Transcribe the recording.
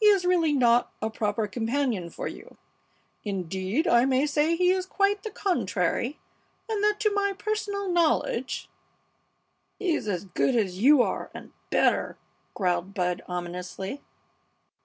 He is really not a proper companion for you. Indeed, I may say he is quite the contrary, and that to my personal knowledge " "He's as good as you are and better!" growled Bud, ominously.